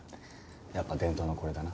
やっぱ伝統のこれだな。